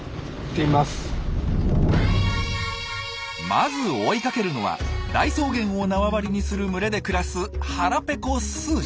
まず追いかけるのは大草原を縄張りにする群れで暮らす腹ぺこスージャ。